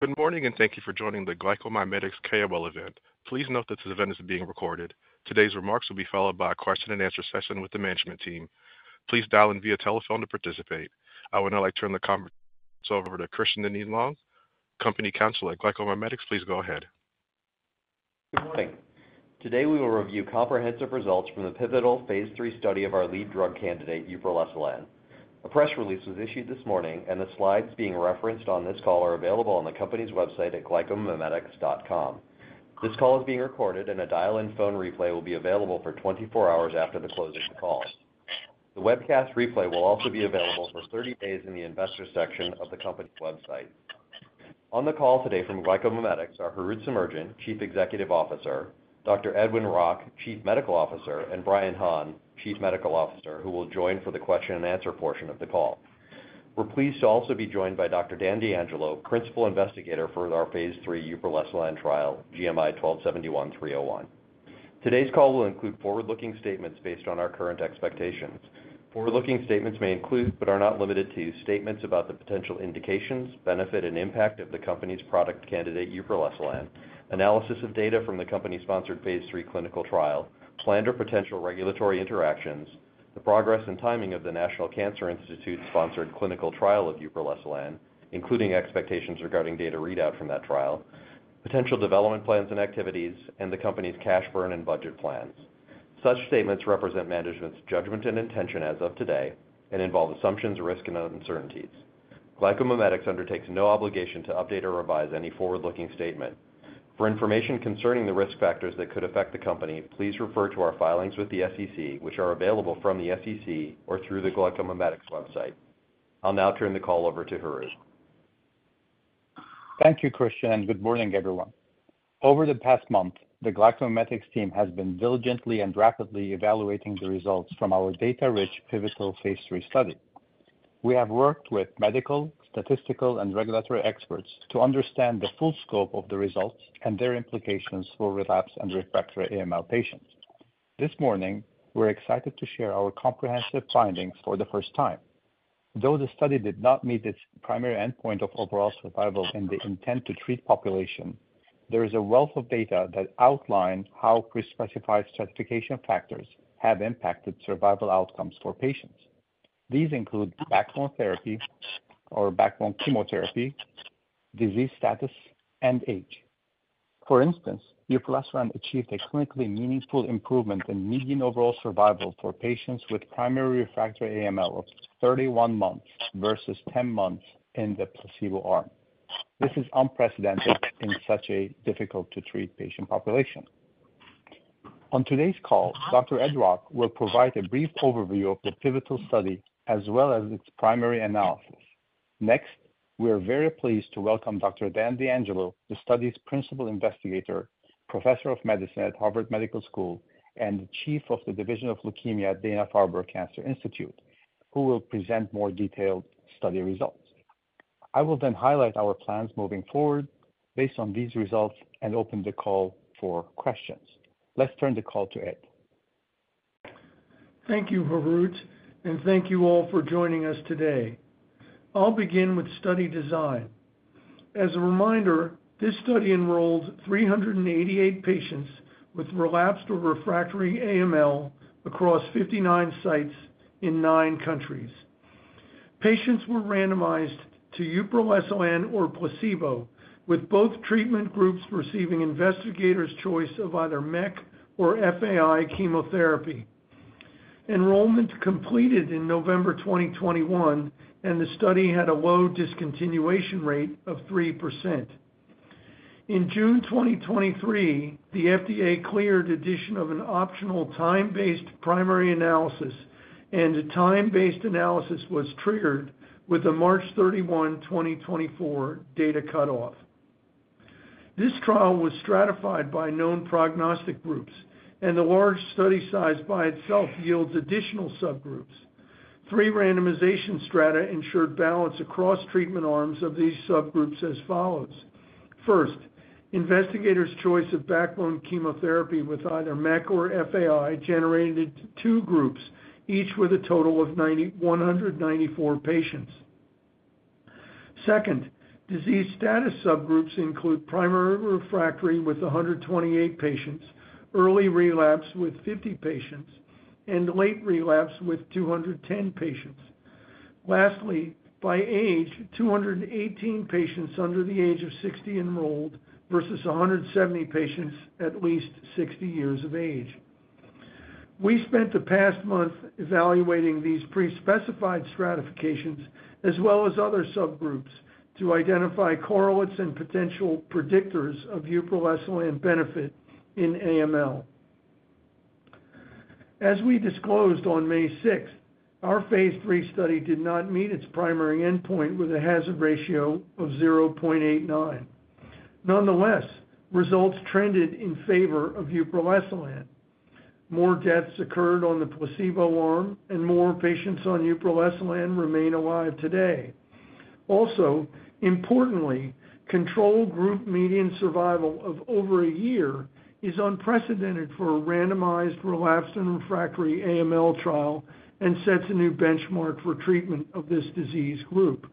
Good morning, and thank you for joining the GlycoMimetics KOL event. Please note that this event is being recorded. Today's remarks will be followed by a question-and-answer session with the management team. Please dial in via telephone to participate. I would now like to turn the conversation over to Christian Dinneen-Long, Company Counsel at GlycoMimetics. Please go ahead. Good morning. Today, we will review comprehensive results from the pivotal phase III study of our lead drug candidate, uproleselan. A press release was issued this morning, and the slides being referenced on this call are available on the company's website at glycomimetics.com. This call is being recorded, and a dial-in phone replay will be available for 24 hours after the close of the call. The webcast replay will also be available for 30 days in the investor section of the company's website. On the call today from GlycoMimetics are Harout Semerjian, Chief Executive Officer, Dr. Edwin Rock, Chief Medical Officer, and Brian Hahn, Chief Financial Officer, who will join for the question-and-answer portion of the call. We're pleased to also be joined by Dr. Dan DeAngelo, Principal Investigator for our phase III uproleselan trial, GMI-1271-301. Today's call will include forward-looking statements based on our current expectations. Forward-looking statements may include, but are not limited to, statements about the potential indications, benefit, and impact of the company's product candidate, uproleselan, analysis of data from the company's sponsored Phase Three clinical trial, planned or potential regulatory interactions, the progress and timing of the National Cancer Institute's sponsored clinical trial of uproleselan, including expectations regarding data readout from that trial, potential development plans and activities, and the company's cash burn and budget plans. Such statements represent management's judgment and intention as of today and involve assumptions, risk, and uncertainties. GlycoMimetics undertakes no obligation to update or revise any forward-looking statement. For information concerning the risk factors that could affect the company, please refer to our filings with the SEC, which are available from the SEC or through the GlycoMimetics website. I'll now turn the call over to Harout. Thank you, Christian, and good morning, everyone. Over the past month, the GlycoMimetics team has been diligently and rapidly evaluating the results from our data-rich pivotal phase III study. We have worked with medical, statistical, and regulatory experts to understand the full scope of the results and their implications for relapse and refractory AML patients. This morning, we're excited to share our comprehensive findings for the first time. Though the study did not meet its primary endpoint of overall survival in the intent-to-treat population, there is a wealth of data that outline how pre-specified stratification factors have impacted survival outcomes for patients. These include backbone therapy or backbone chemotherapy, disease status, and age. For instance, uproleselan achieved a clinically meaningful improvement in median overall survival for patients with primary refractory AML of 31 months versus 10 months in the placebo arm. This is unprecedented in such a difficult-to-treat patient population. On today's call, Dr. Ed Rock will provide a brief overview of the pivotal study as well as its primary analysis. Next, we are very pleased to welcome Dr. Dan DeAngelo, the study's principal investigator, Professor of Medicine at Harvard Medical School, and the Chief of the Division of Leukemia at Dana-Farber Cancer Institute, who will present more detailed study results. I will then highlight our plans moving forward based on these results and open the call for questions. Let's turn the call to Ed. Thank you, Harout, and thank you all for joining us today. I'll begin with study design. As a reminder, this study enrolled 388 patients with relapsed or refractory AML across 59 sites in nine countries. Patients were randomized to uproleselan or placebo, with both treatment groups receiving investigators' choice of either MEC or FAI chemotherapy. Enrollment completed in November 2021, and the study had a low discontinuation rate of 3%. In June 2023, the FDA cleared addition of an optional time-based primary analysis, and the time-based analysis was triggered with a March 31, 2024, data cutoff. This trial was stratified by known prognostic groups, and the large study size by itself yields additional subgroups. Three randomization strata ensured balance across treatment arms of these subgroups as follows: First, investigators' choice of backbone chemotherapy with either MEC or FAI generated two groups, each with a total of 194 patients. Second, disease status subgroups include primary refractory with 128 patients, early relapse with 50 patients, and late relapse with 210 patients. Lastly, by age, 218 patients under the age of 60 enrolled versus 170 patients at least 60 years of age. We spent the past month evaluating these pre-specified stratifications, as well as other subgroups, to identify correlates and potential predictors of uproleselan benefit in AML. As we disclosed on May 6, our phase III study did not meet its primary endpoint with a hazard ratio of 0.89. Nonetheless, results trended in favor of uproleselan. More deaths occurred on the placebo arm, and more patients on uproleselan remain alive today. Also, importantly, control group median survival of over a year is unprecedented for a randomized, relapsed, and refractory AML trial and sets a new benchmark for treatment of this disease group.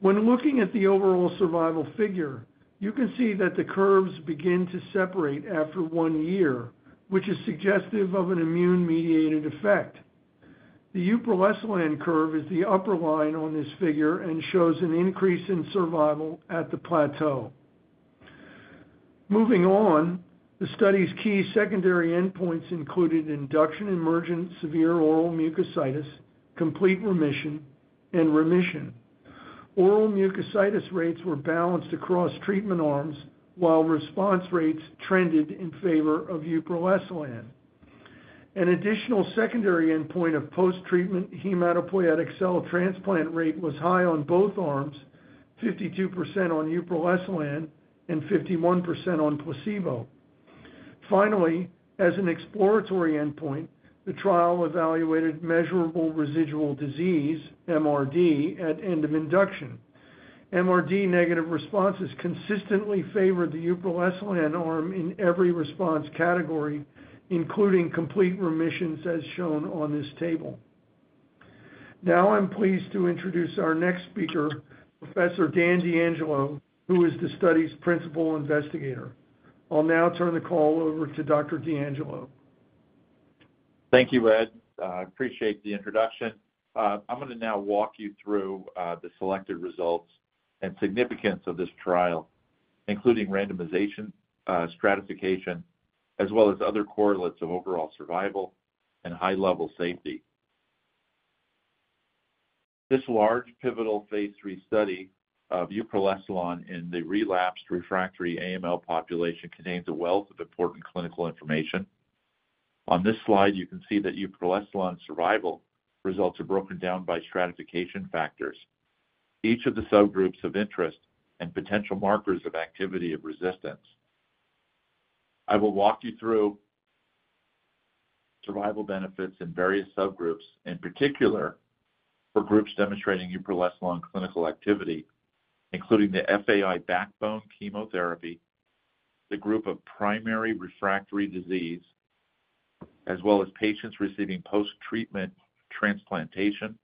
When looking at the overall survival figure, you can see that the curves begin to separate after one year, which is suggestive of an immune-mediated effect. The uproleselan curve is the upper line on this figure and shows an increase in survival at the plateau. Moving on, the study's key secondary endpoints included induction, emergent, severe oral mucositis, complete remission, and remission. Oral mucositis rates were balanced across treatment arms, while response rates trended in favor of uproleselan. An additional secondary endpoint of post-treatment hematopoietic cell transplant rate was high on both arms, 52% on uproleselan and 51% on placebo. Finally, as an exploratory endpoint, the trial evaluated measurable residual disease, MRD, at end of induction. MRD negative responses consistently favored the uproleselan arm in every response category, including complete remissions, as shown on this table. Now, I'm pleased to introduce our next speaker, Professor Dan DeAngelo, who is the study's principal investigator. I'll now turn the call over to Dr. DeAngelo. Thank you, Ed. I appreciate the introduction. I'm going to now walk you through the selected results and significance of this trial, including randomization, stratification, as well as other correlates of overall survival and high-level safety. This large, pivotal phase III study of uproleselan in the relapsed refractory AML population contains a wealth of important clinical information. On this slide, you can see that uproleselan survival results are broken down by stratification factors, each of the subgroups of interest and potential markers of activity of resistance. I will walk you through survival benefits in various subgroups, in particular, for groups demonstrating uproleselan clinical activity, including the FAI backbone chemotherapy, the group of primary refractory disease, as well as patients receiving post-treatment transplantation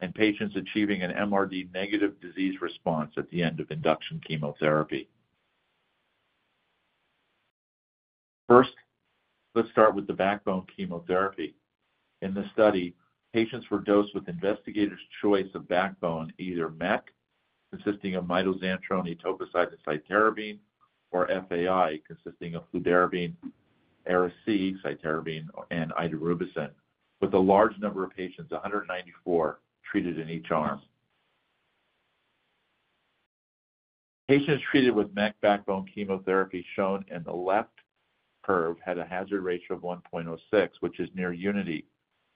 and patients achieving an MRD negative disease response at the end of induction chemotherapy. First, let's start with the backbone chemotherapy. In this study, patients were dosed with investigator's choice of backbone, either MEC, consisting of mitoxantrone, etoposide, cytarabine, or FAI, consisting of fludarabine, Ara-C, cytarabine, and idarubicin, with a large number of patients, 194, treated in each arm. Patients treated with MEC backbone chemotherapy, shown in the left curve, had a hazard ratio of 1.06, which is near unity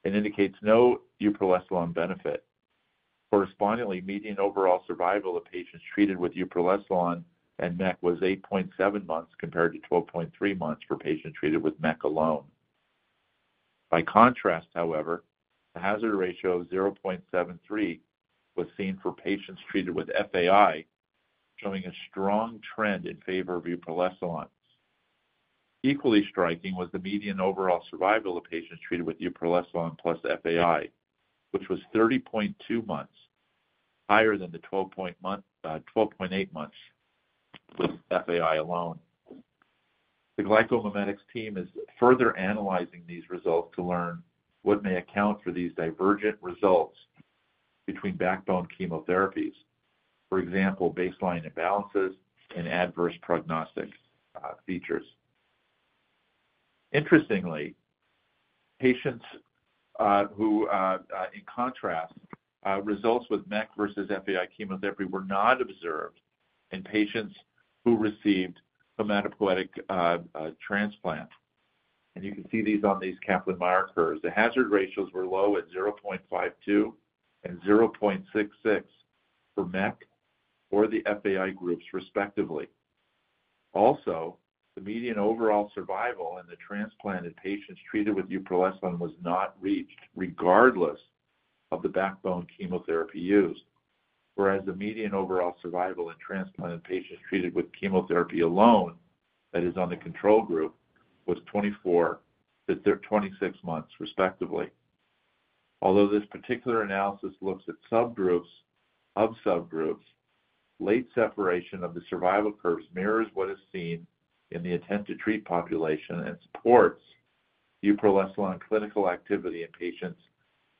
and indicates no uproleselan benefit. Correspondingly, median overall survival of patients treated with uproleselan and MEC was 8.7 months, compared to 12.3 months for patients treated with MEC alone. By contrast, however, the hazard ratio of 0.73 was seen for patients treated with FAI, showing a strong trend in favor of uproleselan. Equally striking was the median overall survival of patients treated with uproleselan plus FAI, which was 30.2 months higher than the 12.8 months with FAI alone. The GlycoMimetics team is further analyzing these results to learn what may account for these divergent results between backbone chemotherapies. For example, baseline imbalances and adverse prognostic features. Interestingly, patients. In contrast, results with MEC versus FAI chemotherapy were not observed in patients who received hematopoietic transplant, and you can see these on these Kaplan-Meier curves. The hazard ratios were low at 0.52 and 0.66 for MEC or the FAI groups, respectively. Also, the median overall survival in the transplanted patients treated with uproleselan was not reached, regardless of the backbone chemotherapy used, whereas the median overall survival in transplanted patients treated with chemotherapy alone, that is, on the control group, was 24-26 months, respectively. Although this particular analysis looks at subgroups of subgroups, late separation of the survival curves mirrors what is seen in the intent-to-treat population and supports uproleselan clinical activity in patients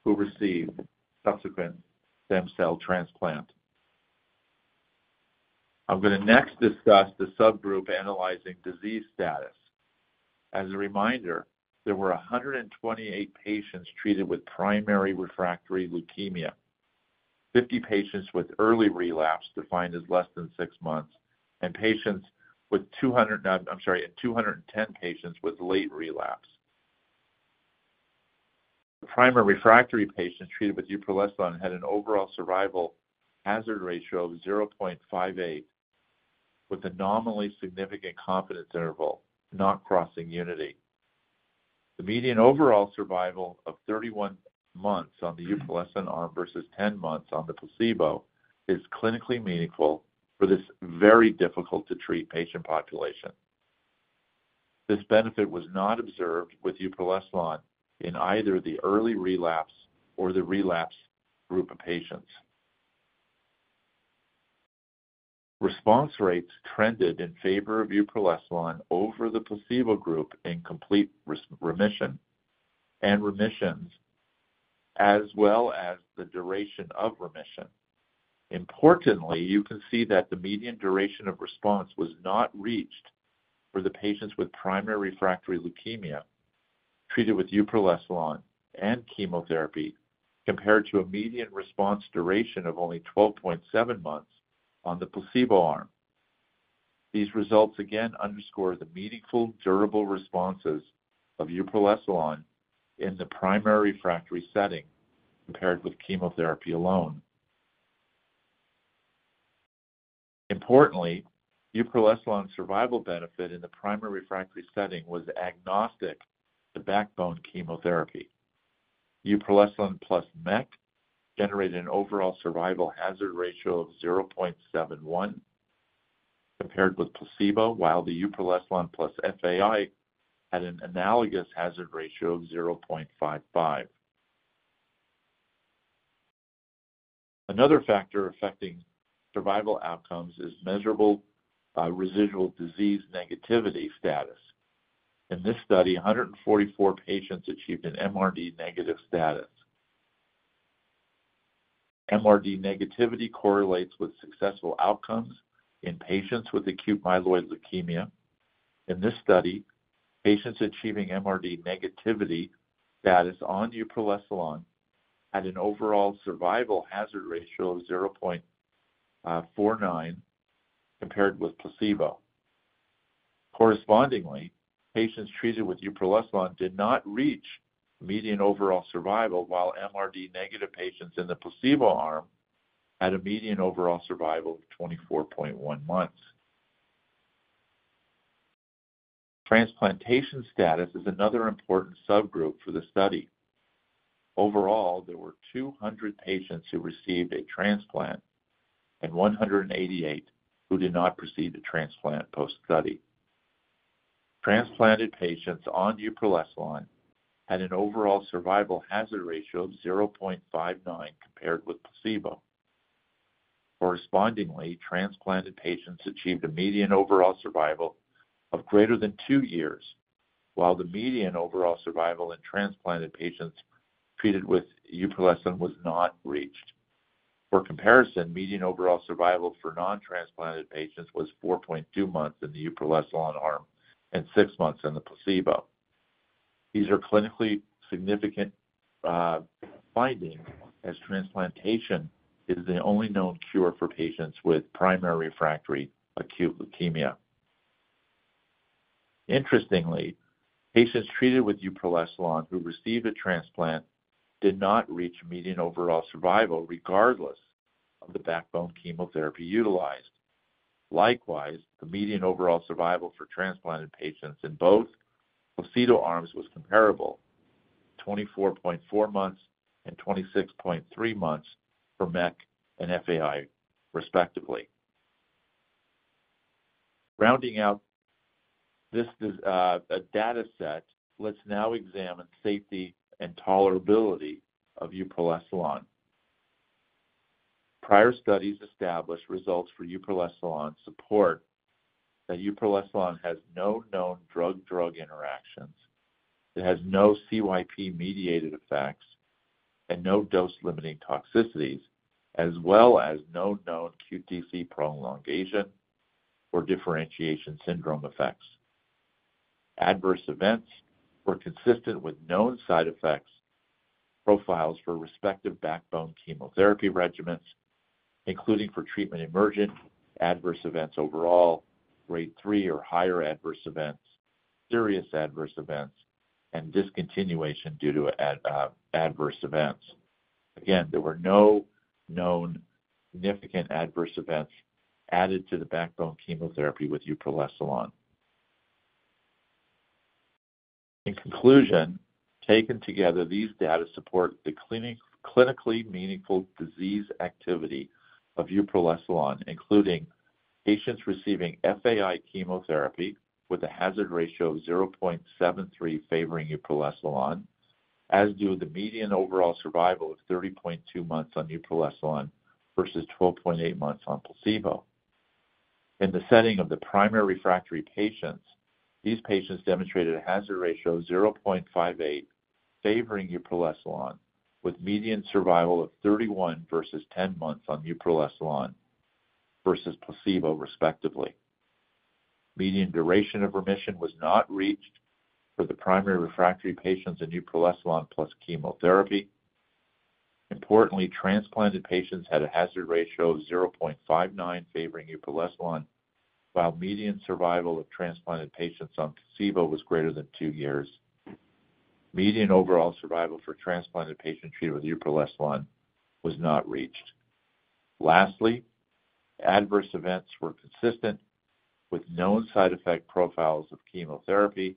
who received subsequent stem cell transplant. I'm going to next discuss the subgroup analyzing disease status. As a reminder, there were 128 patients treated with primary refractory leukemia, 50 patients with early relapse, defined as less than six months, and 210 patients with late relapse. The primary refractory patients treated with uproleselan had an overall survival hazard ratio of 0.58, with a nominally significant confidence interval, not crossing unity. The median overall survival of 31 months on the uproleselan arm versus 10 months on the placebo is clinically meaningful for this very difficult-to-treat patient population. This benefit was not observed with uproleselan in either the early relapse or the relapse group of patients. Response rates trended in favor of uproleselan over the placebo group in complete remission and remissions, as well as the duration of remission. Importantly, you can see that the median duration of response was not reached for the patients with primary refractory leukemia treated with uproleselan and chemotherapy, compared to a median response duration of only 12.7 months on the placebo arm. These results again underscore the meaningful, durable responses of uproleselan in the primary refractory setting compared with chemotherapy alone. Importantly, uproleselan survival benefit in the primary refractory setting was agnostic to backbone chemotherapy. Uproleselan plus MEC generated an overall survival hazard ratio of 0.71 compared with placebo, while the uproleselan plus FAI had an analogous hazard ratio of 0.55. Another factor affecting survival outcomes is measurable residual disease negativity status. In this study, 144 patients achieved an MRD negative status. MRD negativity correlates with successful outcomes in patients with acute myeloid leukemia. In this study, patients achieving MRD negativity that is on uproleselan had an overall survival hazard ratio of 0.49 compared with placebo. Correspondingly, patients treated with uproleselan did not reach median overall survival, while MRD negative patients in the placebo arm had a median overall survival of 24.1 months. Transplantation status is another important subgroup for the study. Overall, there were 200 patients who received a transplant and 188 who did not receive the transplant post-study. Transplanted patients on uproleselan had an overall survival hazard ratio of 0.59 compared with placebo. Correspondingly, transplanted patients achieved a median overall survival of greater than 2 years, while the median overall survival in transplanted patients treated with uproleselan was not reached. For comparison, median overall survival for non-transplanted patients was 4.2 months in the uproleselan arm and 6 months in the placebo. These are clinically significant findings, as transplantation is the only known cure for patients with primary refractory acute leukemia. Interestingly, patients treated with uproleselan who received a transplant did not reach median overall survival, regardless of the backbone chemotherapy utilized. Likewise, the median overall survival for transplanted patients in both placebo arms was comparable: 24.4 months and 26.3 months for MEC and FAI, respectively. Rounding out this data set, let's now examine safety and tolerability of uproleselan. Prior studies established results for uproleselan support that uproleselan has no known drug-drug interactions. It has no CYP-mediated effects and no dose-limiting toxicities, as well as no known QTc prolongation or differentiation syndrome effects. Adverse events were consistent with known side effects profiles for respective backbone chemotherapy regimens, including for treatment emergent adverse events overall, grade 3 or higher adverse events, serious adverse events, and discontinuation due to adverse events. Again, there were no known significant adverse events added to the backbone chemotherapy with uproleselan. In conclusion, taken together, these data support the clinically meaningful disease activity of uproleselan, including patients receiving FAI chemotherapy with a hazard ratio of 0.73 favoring uproleselan, as do the median overall survival of 30.2 months on uproleselan versus 12.8 months on placebo. In the setting of the primary refractory patients, these patients demonstrated a hazard ratio of 0.58 favoring uproleselan, with median survival of 31 versus 10 months on uproleselan versus placebo, respectively. Median duration of remission was not reached for the primary refractory patients in uproleselan plus chemotherapy. Importantly, transplanted patients had a hazard ratio of 0.59 favoring uproleselan, while median survival of transplanted patients on placebo was greater than 2 years. Median overall survival for transplanted patients treated with uproleselan was not reached. Lastly, adverse events were consistent with known side effect profiles of chemotherapy,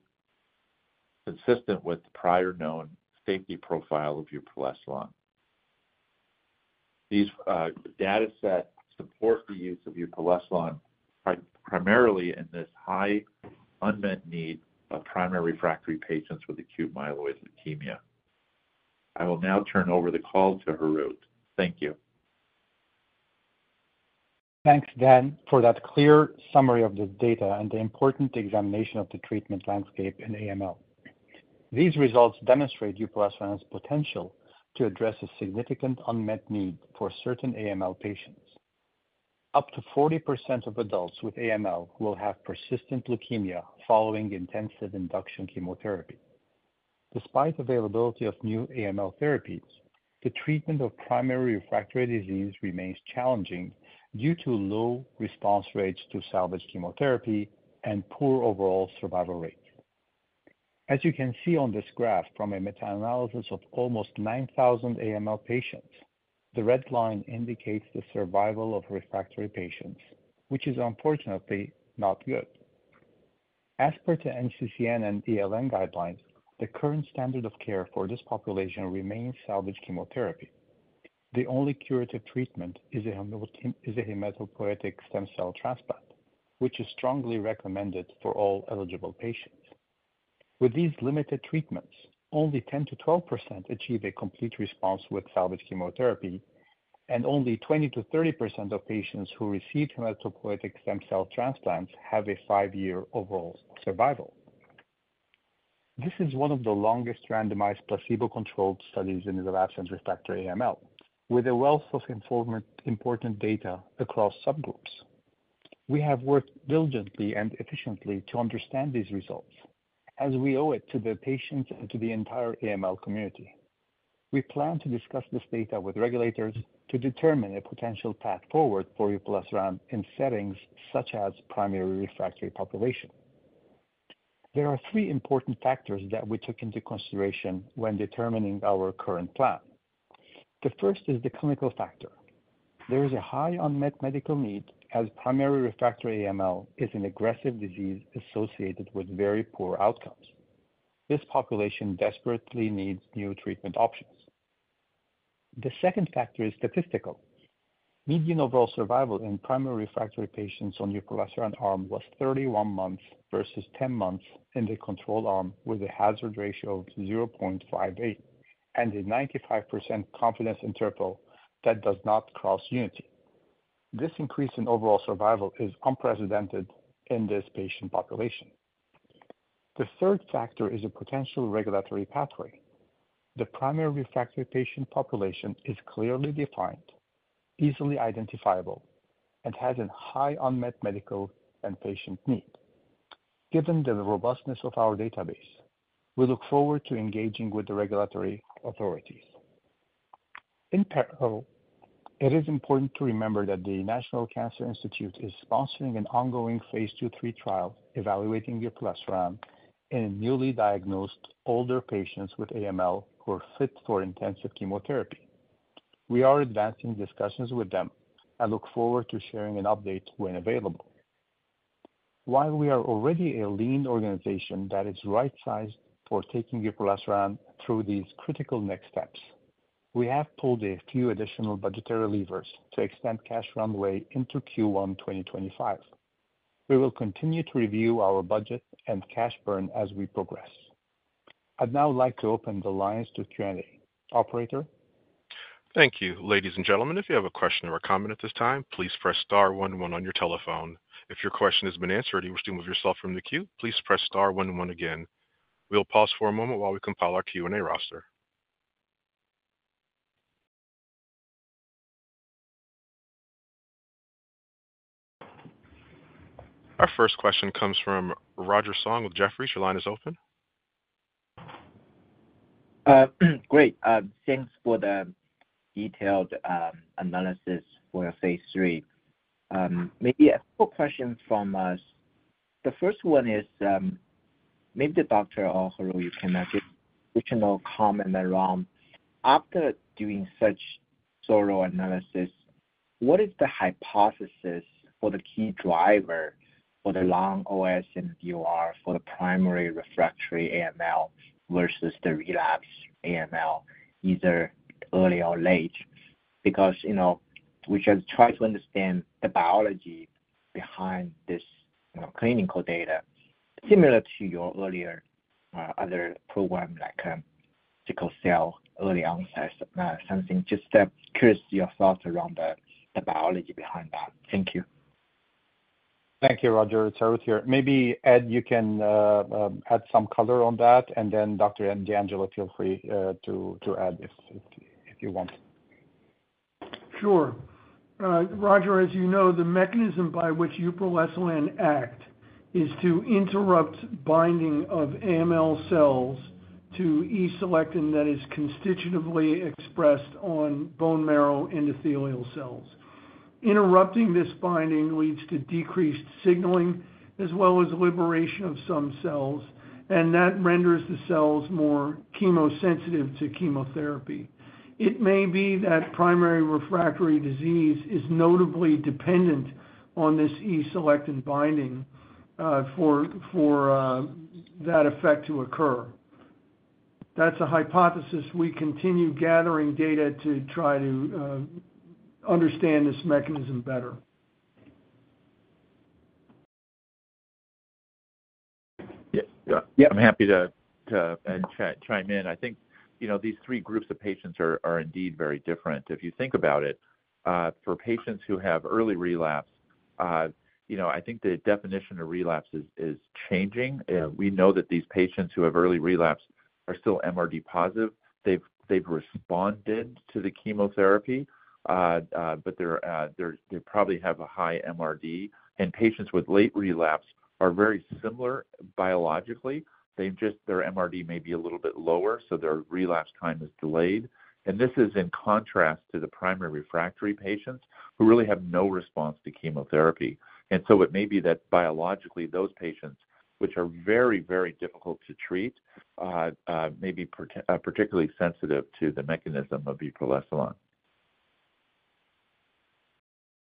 consistent with the prior known safety profile of uproleselan.... These data set support the use of uproleselan primarily in this high unmet need of primary refractory patients with acute myeloid leukemia. I will now turn over the call to Harout. Thank you. Thanks, Dan, for that clear summary of the data and the important examination of the treatment landscape in AML. These results demonstrate uproleselan's potential to address a significant unmet need for certain AML patients. Up to 40% of adults with AML will have persistent leukemia following intensive induction chemotherapy. Despite availability of new AML therapies, the treatment of primary refractory disease remains challenging due to low response rates to salvage chemotherapy and poor overall survival rate. As you can see on this graph from a meta-analysis of almost 9,000 AML patients, the red line indicates the survival of refractory patients, which is unfortunately not good. As per the NCCN and ELN guidelines, the current standard of care for this population remains salvage chemotherapy. The only curative treatment is a hematopoietic stem cell transplant, which is strongly recommended for all eligible patients. With these limited treatments, only 10%-12% achieve a complete response with salvage chemotherapy, and only 20%-30% of patients who receive hematopoietic stem cell transplants have a five-year overall survival. This is one of the longest randomized placebo-controlled studies in relapsed and refractory AML, with a wealth of informative-important data across subgroups. We have worked diligently and efficiently to understand these results, as we owe it to the patients and to the entire AML community. We plan to discuss this data with regulators to determine a potential path forward for uproleselan in settings such as primary refractory population. There are three important factors that we took into consideration when determining our current plan. The first is the clinical factor. There is a high unmet medical need, as primary refractory AML is an aggressive disease associated with very poor outcomes. This population desperately needs new treatment options. The second factor is statistical. Median overall survival in primary refractory patients on uproleselan arm was 31 months versus 10 months in the control arm, with a hazard ratio of 0.58 and a 95% confidence interval that does not cross unity. This increase in overall survival is unprecedented in this patient population. The third factor is a potential regulatory pathway. The primary refractory patient population is clearly defined, easily identifiable, and has a high unmet medical and patient need. Given the robustness of our database, we look forward to engaging with the regulatory authorities. In parallel, it is important to remember that the National Cancer Institute is sponsoring an ongoing phase II/III trial evaluating uproleselan in newly diagnosed older patients with AML who are fit for intensive chemotherapy. We are advancing discussions with them. I look forward to sharing an update when available. While we are already a lean organization that is right-sized for taking uproleselan through these critical next steps, we have pulled a few additional budgetary levers to extend cash runway into Q1 2025. We will continue to review our budget and cash burn as we progress. I'd now like to open the lines to Q&A. Operator? Thank you. Ladies and gentlemen, if you have a question or a comment at this time, please press star one one on your telephone. If your question has been answered and you wish to remove yourself from the queue, please press star one one again. We'll pause for a moment while we compile our Q&A roster. Our first question comes from Roger Song with Jefferies. Your line is open. Great. Thanks for the detailed analysis for phase III. Maybe a couple questions from us. The first one is, maybe to Doctor or Harout, you can add if you can all comment around. After doing such thorough analysis, what is the hypothesis for the key driver for the long OS and DUR for the primary refractory AML versus the relapse AML, either early or late? Because, you know, we should try to understand the biology behind this, you know, clinical data, similar to your earlier, other program, like, sickle cell, early onset, something. Just, curious your thoughts around the, the biology behind that. Thank you. Thank you, Roger. It's Harout here. Maybe, Ed, you can add some color on that, and then Dr. DeAngelo, feel free to add if you want. Sure. Roger, as you know, the mechanism by which uproleselan acts is to interrupt binding of AML cells to E-selectin that is constitutively expressed on bone marrow endothelial cells. Interrupting this binding leads to decreased signaling, as well as liberation of some cells, and that renders the cells more chemosensitive to chemotherapy. It may be that primary refractory disease is notably dependent on this E-selectin binding for that effect to occur. That's a hypothesis. We continue gathering data to try to understand this mechanism better. Yep. I'm happy to chime in. I think, you know, these three groups of patients are indeed very different. If you think about it, for patients who have early relapse, you know, I think the definition of relapse is changing. We know that these patients who have early relapse are still MRD positive. They've responded to the chemotherapy, but they're, they probably have a high MRD. And patients with late relapse are very similar biologically, they've just their MRD may be a little bit lower, so their relapse time is delayed. And this is in contrast to the primary refractory patients, who really have no response to chemotherapy. And so it may be that biologically, those patients, which are very, very difficult to treat, may be particularly sensitive to the mechanism of uproleselan.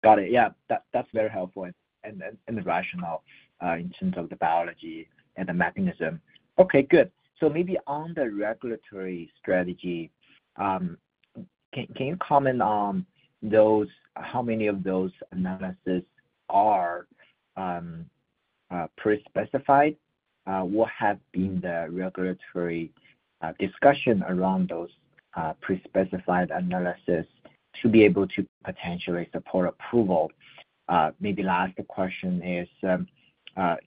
Got it. Yeah, that's very helpful and the rationale in terms of the biology and the mechanism. Okay, good. So maybe on the regulatory strategy, can you comment on those, how many of those analysis are pre-specified? What have been the regulatory discussion around those pre-specified analysis to be able to potentially support approval? Maybe last question is,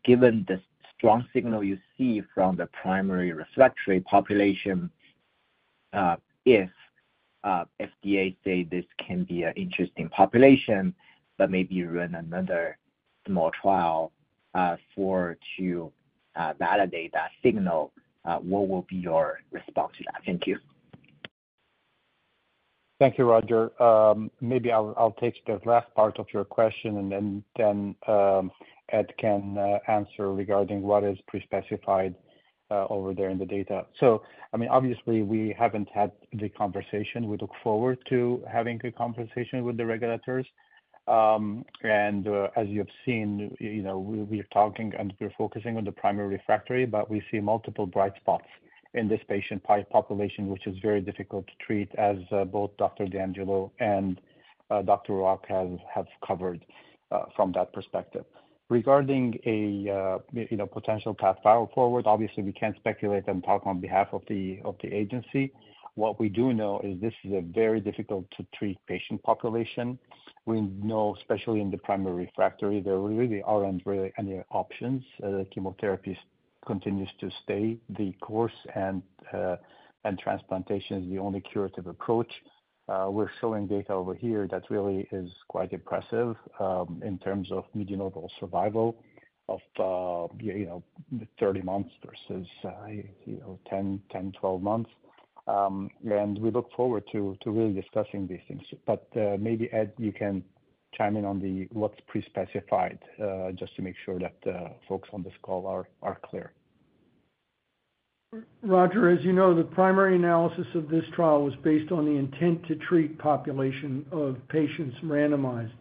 given the strong signal you see from the primary refractory population, if FDA say this can be an interesting population, but maybe you run another small trial to validate that signal, what will be your response to that? Thank you. Thank you, Roger. Maybe I'll take the last part of your question, and then Ed can answer regarding what is pre-specified over there in the data. So I mean, obviously, we haven't had the conversation. We look forward to having a conversation with the regulators. And as you have seen, you know, we, we're talking and we're focusing on the primary refractory, but we see multiple bright spots in this patient population, which is very difficult to treat, as both Dr. DeAngelo and Dr. Rock have covered from that perspective. Regarding a potential path forward, obviously, we can't speculate and talk on behalf of the agency. What we do know is this is a very difficult-to-treat patient population. We know, especially in the primary refractory, there really aren't any options. Chemotherapy continues to stay the course, and and transplantation is the only curative approach. We're showing data over here that really is quite impressive, in terms of median overall survival of, you know, 30 months versus, you know, 10, 10, 12 months. And we look forward to, to really discussing these things. But, maybe, Ed, you can chime in on the what's pre-specified, just to make sure that, folks on this call are, are clear. Roger, as you know, the primary analysis of this trial was based on the intent to treat population of patients randomized.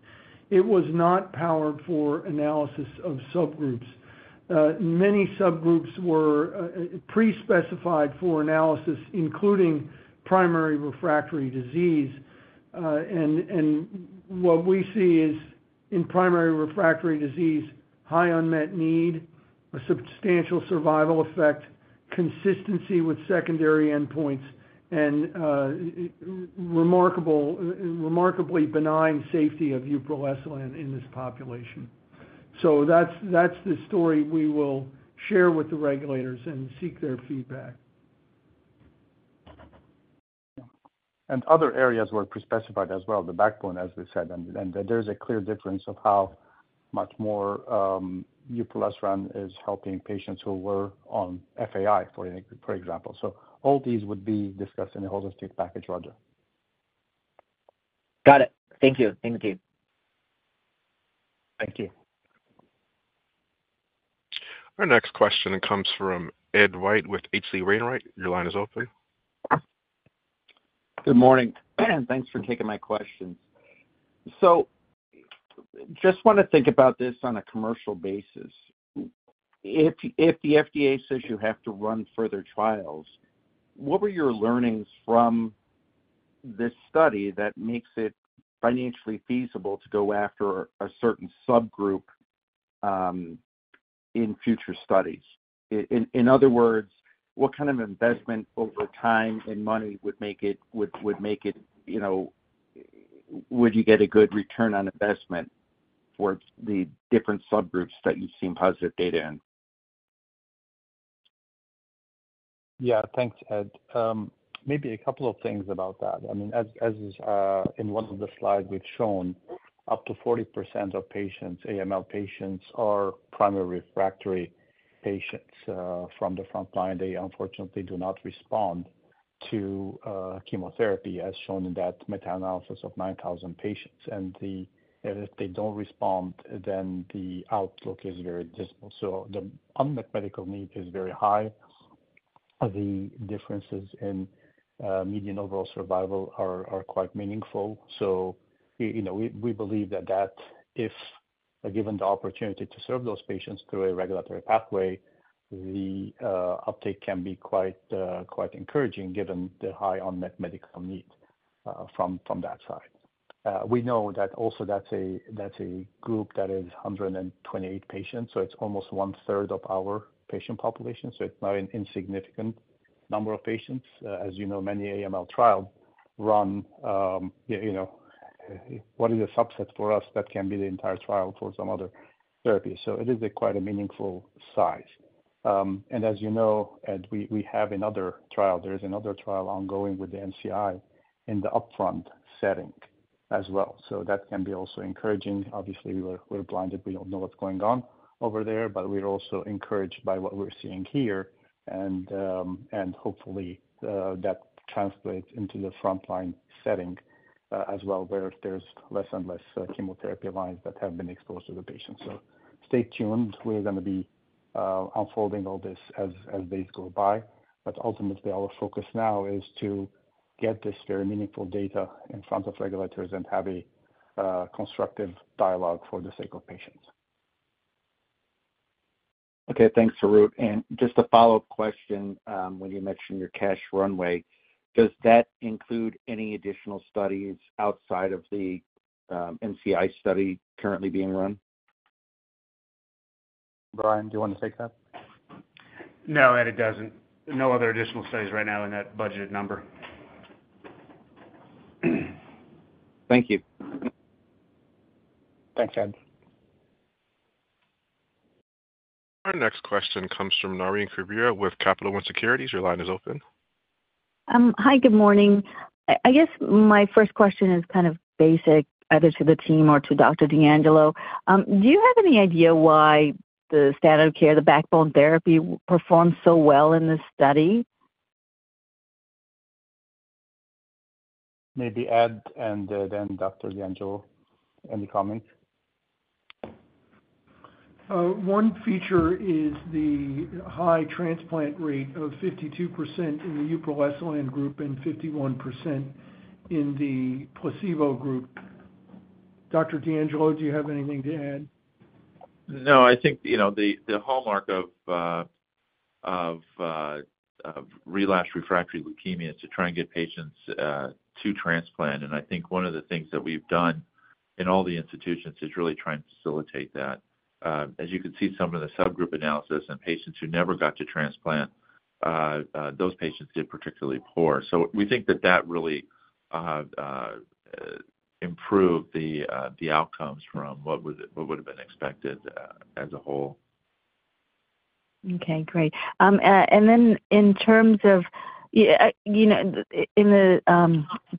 It was not powered for analysis of subgroups. Many subgroups were pre-specified for analysis, including primary refractory disease. And what we see is, in primary refractory disease, high unmet need, a substantial survival effect, consistency with secondary endpoints, and remarkably benign safety of uproleselan in this population. So that's the story we will share with the regulators and seek their feedback. Other areas were pre-specified as well, the backbone, as we said, and there's a clear difference of how much more uproleselan is helping patients who were on FAI, for example. So all these would be discussed in the holistic package, Roger. Got it. Thank you. Thank you. Thank you. Our next question comes from Ed White with H.C. Wainwright. Your line is open. Good morning, thanks for taking my questions. So just wanna think about this on a commercial basis. If the FDA says you have to run further trials, what were your learnings from this study that makes it financially feasible to go after a certain subgroup in future studies? In other words, what kind of investment over time and money would make it, you know... Would you get a good return on investment for the different subgroups that you've seen positive data in? Yeah. Thanks, Ed. Maybe a couple of things about that. I mean, in one of the slides, we've shown up to 40% of patients, AML patients, are primary refractory patients, from the frontline. They unfortunately do not respond to chemotherapy, as shown in that meta-analysis of 9,000 patients. If they don't respond, then the outlook is very dismal. So the unmet medical need is very high. The differences in median overall survival are quite meaningful. So, you know, we believe that, given the opportunity to serve those patients through a regulatory pathway, the uptake can be quite encouraging, given the high unmet medical need, from that side. We know that also that's a group that is 128 patients, so it's almost one-third of our patient population, so it's not an insignificant number of patients. As you know, many AML trial run, you know, what is a subset for us that can be the entire trial for some other therapy. So it is a quite a meaningful size. And as you know, Ed, we have another trial. There is another trial ongoing with the NCI in the upfront setting as well, so that can be also encouraging. Obviously, we're blinded, we don't know what's going on over there, but we're also encouraged by what we're seeing here, and hopefully that translates into the frontline setting as well, where there's less and less chemotherapy lines that have been exposed to the patient. So stay tuned. We're gonna be unfolding all this as days go by. But ultimately, our focus now is to get this very meaningful data in front of regulators and have a constructive dialogue for the sake of patients. Okay, thanks, Harout. And just a follow-up question, when you mentioned your cash runway, does that include any additional studies outside of the, NCI study currently being run? Brian, do you want to take that? No, Ed, it doesn't. No other additional studies right now in that budgeted number. Thank you. Thanks, Ed. Our next question comes from Naureen Quibria with Capital One Securities. Your line is open. Hi, good morning. I guess my first question is kind of basic, either to the team or to Dr. DeAngelo. Do you have any idea why the standard of care, the backbone therapy, performed so well in this study? Maybe Ed, and then Dr. DeAngelo, any comments? One feature is the high transplant rate of 52% in the uproleselan group, and 51% in the placebo group. Dr. DeAngelo, do you have anything to add? No, I think, you know, the hallmark of relapsed refractory leukemia is to try and get patients to transplant, and I think one of the things that we've done in all the institutions is really try and facilitate that. As you can see, some of the subgroup analysis and patients who never got to transplant, those patients did particularly poor. So we think that that really improved the outcomes from what would've been expected, as a whole. Okay, great. And then in terms of, you know, in the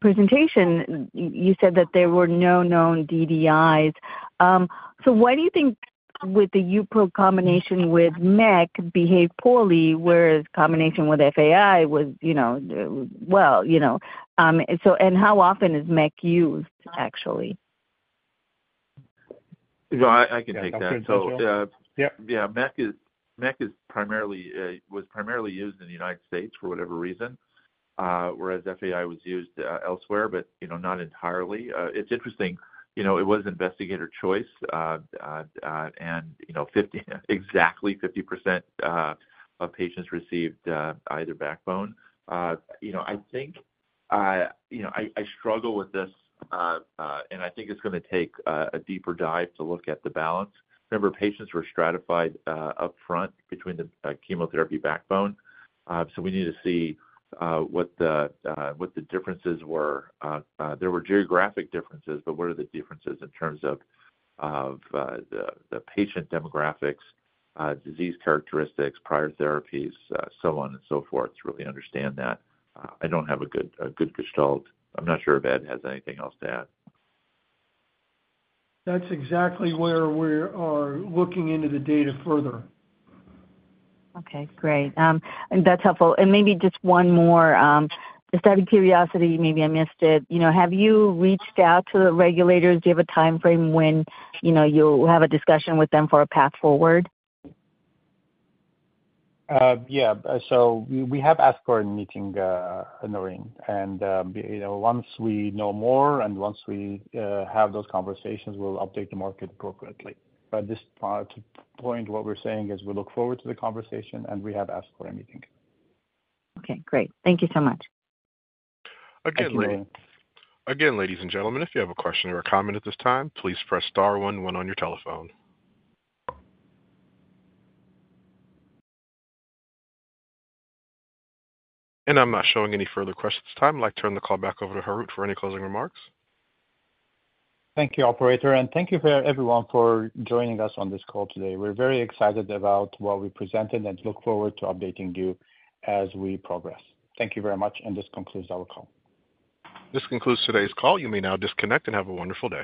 presentation, you said that there were no known DDIs. So why do you think with the upro combination with MEC behaved poorly, whereas combination with FAI was, you know, well, you know? So and how often is MEC used, actually? Well, I can take that. Dr. DeAngelo. So, uh- Yeah. Yeah, MEC is, MEC is primarily, was primarily used in the United States for whatever reason, whereas FAI was used elsewhere, but, you know, not entirely. It's interesting, you know, it was investigator choice. And, you know, 50, exactly 50% of patients received either backbone. You know, I think, you know, I, I struggle with this, and I think it's gonna take a deeper dive to look at the balance. Remember, patients were stratified upfront between the chemotherapy backbone. So we need to see what the, what the differences were. There were geographic differences, but what are the differences in terms of the, the patient demographics, disease characteristics, prior therapies, so on and so forth, to really understand that. I don't have a good gestalt. I'm not sure if Ed has anything else to add. That's exactly where we're looking into the data further. Okay, great. That's helpful. Maybe just one more, just out of curiosity, maybe I missed it. You know, have you reached out to the regulators? Do you have a timeframe when, you know, you'll have a discussion with them for a path forward? Yeah. So we have asked for a meeting, Naureen, and, you know, once we know more and once we have those conversations, we'll update the market appropriately. But at this point, what we're saying is we look forward to the conversation, and we have asked for a meeting. Okay, great. Thank you so much. Thank you. Again, ladies and gentlemen, if you have a question or a comment at this time, please press star one one on your telephone. I'm not showing any further questions this time. I'd like to turn the call back over to Harout for any closing remarks. Thank you, operator, and thank you for everyone for joining us on this call today. We're very excited about what we presented and look forward to updating you as we progress. Thank you very much, and this concludes our call. This concludes today's call. You may now disconnect and have a wonderful day.